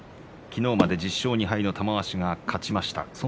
昨日まで１０勝２敗の玉鷲が勝ちました。